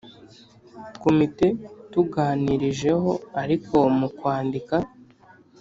Komite yatuganirijeho ariko mu kwandika,